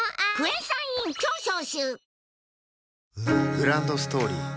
グランドストーリー